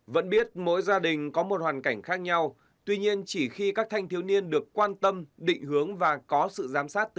vẫn biết mỗi gia đình có một hoàn cảnh khác nhau tuy nhiên chỉ khi các thanh thiếu niên được quan tâm định hướng và có sự giám sát